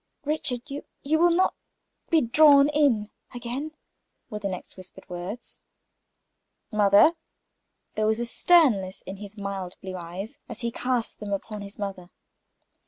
"Richard, you you will not be drawn in again?" were the next whispered words. "Mother!" There was a sternness in his mild blue eyes as he cast them upon his mother.